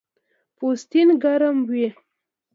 پوستین ګرم وي